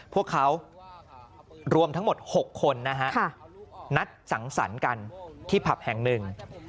พวกเขารวมทั้งหมด๖คนนะฮะนัดสังสรรค์กันที่ผับแห่งหนึ่ง